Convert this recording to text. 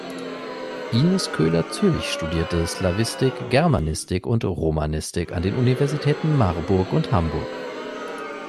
Ines Köhler-Zülch studierte Slawistik, Germanistik und Romanistik an den Universitäten Marburg und Hamburg.